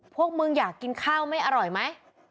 พวกมึงอยากกินข้าวไม่อร่อยไหม